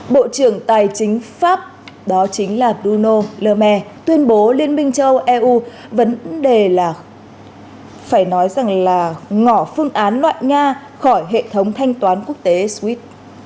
bộ trưởng tài chính pháp bruno le maire tuyên bố liên minh châu âu eu vấn đề là ngỏ phương án loại nga khỏi hệ thống thanh toán quốc tế swift